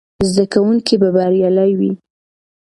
زده کوونکي به بریالي وي.